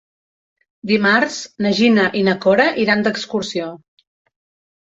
Dimarts na Gina i na Cora iran d'excursió.